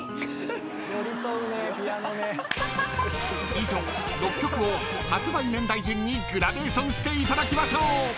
［以上６曲を発売年代順にグラデーションしていただきましょう］